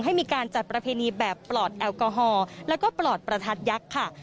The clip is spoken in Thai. ให้มีการจัดประเพณีแบบปลอดแอลกอฮอล์แล้วก็ปลอดประทัดยักษ์ค่ะ